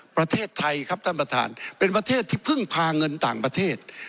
ประเทศไทยครับท่านประธานเป็นประเทศที่เพิ่งพาเงินต่างประเทศ